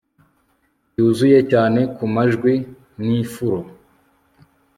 Byuzuye cyane kumajwi nifuro